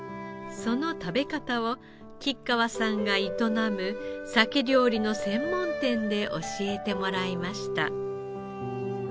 その食べ方を吉川さんが営むサケ料理の専門店で教えてもらいました。